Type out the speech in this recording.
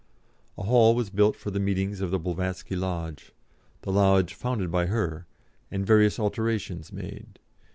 A hall was built for the meetings of the Blavatsky Lodge the lodge founded by her and various alterations made.